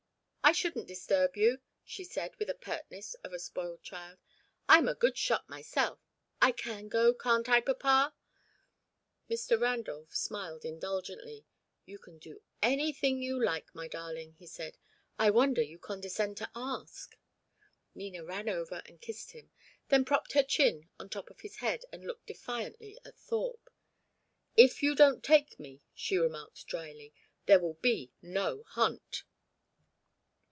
"I shouldn't disturb you," she said, with the pertness of a spoilt child. "I am a good shot myself. I can go can't I, papa?" Mr. Randolph smiled indulgently. "You can do anything you like, my darling," he said. "I wonder you condescend to ask." Nina ran over and kissed him, then propped her chin on top of his head and looked defiantly at Thorpe. "If you don't take me," she remarked, drily, "there will be no hunt."